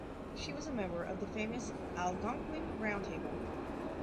She was a member of the famous Algonquin Round Table.